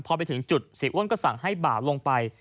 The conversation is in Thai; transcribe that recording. พอไปถึงจุดเสียอ้วนก็สั่งให้บ่าวลงไป